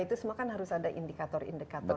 itu semua kan harus ada indikator indikator